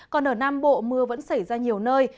còn ở nam bộ mưa vẫn xảy ra nhiều nơi